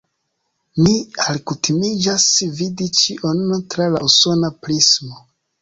Mi alkutimiĝas vidi ĉion tra la usona prismo.